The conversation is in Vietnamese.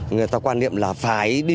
người ta quan niệm là phải đi